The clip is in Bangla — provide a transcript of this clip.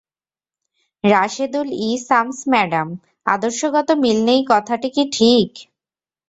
রাশেদুল ই সামস ম্যাডাম, আদর্শগত মিল নেই কথাটি কি ঠিক?